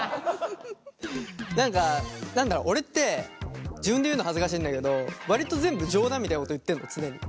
何か何だろ俺って自分で言うの恥ずかしいんだけど割と全部冗談みたいなこと言ってんの常に。